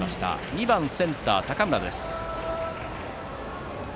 ２番センター、高村です。